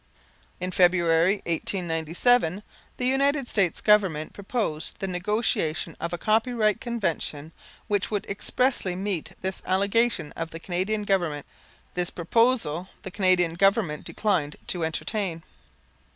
In February, 1897, the United States Government proposed the negotiation of a Copyright Convention which would expressly meet this allegation of the Canadian Government. This proposal the Canadian Government declined to entertain.